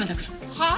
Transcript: はあ？